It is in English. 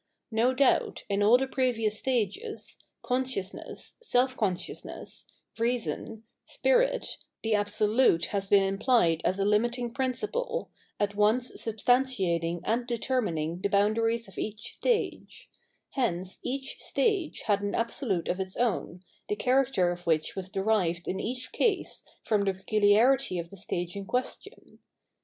^* No doubt, in all the previous stages, "consciousness," " self consciousneffl," " r^on," " spirit," the Absolute has b^&TimpSed as a limiting principle, at once'substanfeting and" ^(^rmining the boundaries of e«:h_ stage: hence each stage had an Abwlute of its own, the character of which was derive^iii each case from the ]^culia'rity of the stage in question.